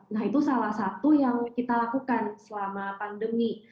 nah itu salah satu yang kita lakukan selama pandemi